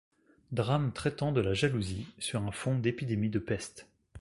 Drame traitant de la jalousie, sur un fond d'épidémie de peste.